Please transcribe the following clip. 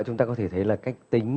chúng ta có thể thấy là cách tính